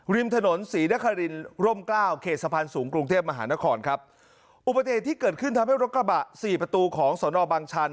ริมถนนศรีนครินร่มเกล้าวเขตสะพานสูงกรุงเทพมหานครครับอุบัติเหตุที่เกิดขึ้นทำให้รถกระบะสี่ประตูของสนบางชัน